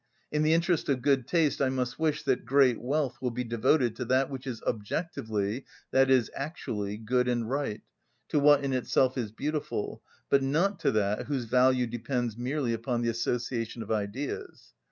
In the interest of good taste I must wish that great wealth will be devoted to that which is objectively, i.e., actually, good and right, to what in itself is beautiful, but not to that whose value depends merely upon the association of ideas.